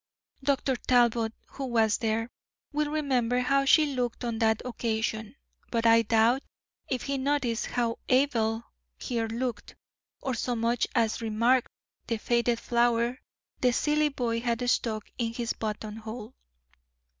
Dr. Talbot, who was there, will remember how she looked on that occasion; but I doubt if he noticed how Abel here looked, or so much as remarked the faded flower the silly boy had stuck in his buttonhole."